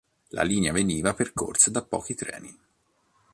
La linea veniva percorsa da pochi treni.